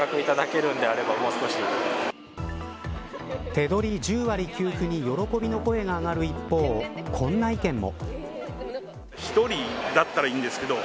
手取り１０割給付に喜びの声が上がる一方こんな意見も。